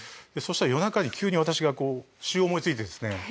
そしたら夜中に急に私が詞を思いついてですね。